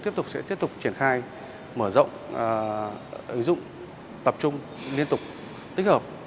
giúp cộng đồng hành